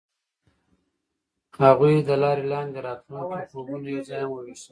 هغوی د لاره لاندې د راتلونکي خوبونه یوځای هم وویشل.